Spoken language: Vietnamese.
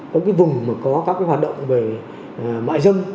các cái vùng mà có các cái hoạt động về mại dâm